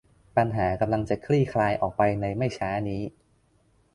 ปัญหากำลังจะคลี่คลายออกไปในไม่ช้านี้